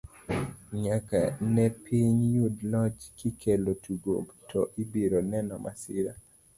nyaka ne piny yud loch, kikelo tugo to ibiro neno masira